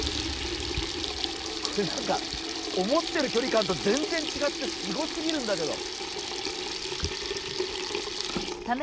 これなんか思ってる距離感と全然違ってすごすぎるんだけど。